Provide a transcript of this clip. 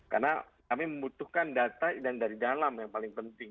karena kami membutuhkan data dan dari dalam yang paling penting